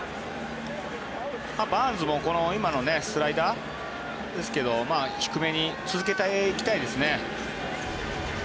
バーンズもこの今のスライダーですけど低めに続けていきたいですね。